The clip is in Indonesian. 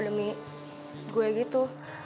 demi saya gitu